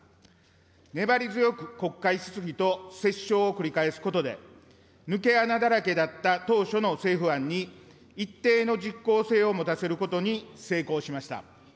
粘り強く国会質疑と折衝を繰り返すことで、抜け穴だらけだった当初の政府案に一定の実効性を持たせることに成功しました。